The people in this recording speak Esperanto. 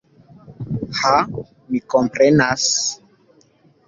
Ha, mi komprenas!